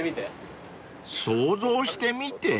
［想像してみて？］